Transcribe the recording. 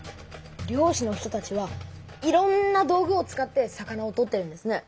漁師の人たちはいろんな道具を使って魚を取ってるんですね。